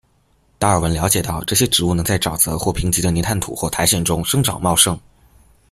达尔文了解到这些植物能在沼泽或贫瘠的泥炭土或苔藓中生长茂盛。